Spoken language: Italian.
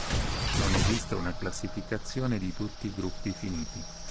Non esiste una classificazione di tutti i gruppi finiti.